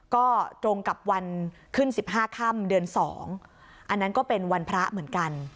ก็ตรงกับวันขึ้น๑๕ค่ำเดือน๒อันนั้นก็เป็นวันพระเหมือนกัน